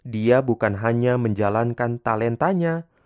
dia bukan hanya menjalankan talentanya